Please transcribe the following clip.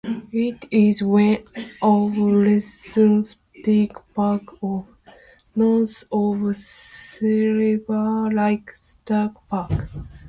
It is west of Letchworth State Park and northeast of Silver Lake State Park.